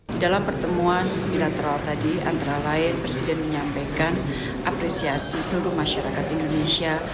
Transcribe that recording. di dalam pertemuan bilateral tadi antara lain presiden menyampaikan apresiasi seluruh masyarakat indonesia